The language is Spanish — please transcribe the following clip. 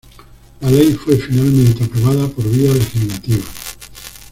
La Ley fue finalmente aprobada por vía legislativa.